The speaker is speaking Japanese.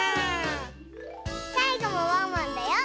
さいごもワンワンだよ！